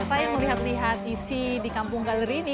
saya melihat lihat isi di kampung galeri ini